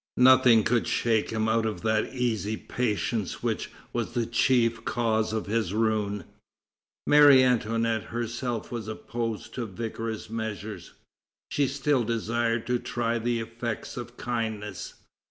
Nothing could shake him out of that easy patience which was the chief cause of his ruin. Marie Antoinette herself was opposed to vigorous measures. She still desired to try the effects of kindness.